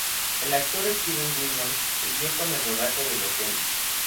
El actor Steven Williams se hirió en el rodaje de la escena.